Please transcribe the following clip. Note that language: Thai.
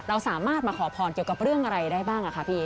เราสามารถมาขอพรเกี่ยวกับเรื่องอะไรได้บ้างอะคะพี่